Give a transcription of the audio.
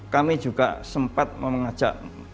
kami juga sempat mengajak